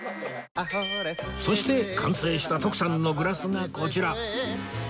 そして完成した徳さんのグラスがこちら